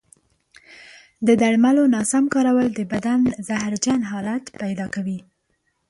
د درملو ناسم کارول د بدن زهرجن حالت پیدا کوي.